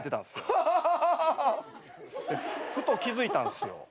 でふと気付いたんすよ。